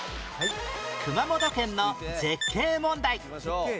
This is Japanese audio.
熊本県の絶景問題